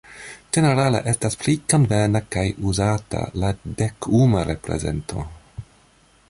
Ĝenerale estas pli konvena kaj uzata la dekuma reprezento.